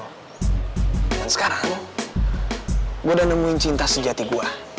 dengan sekarang gue udah nemuin cinta sejati gue